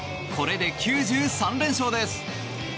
これで９３連勝です。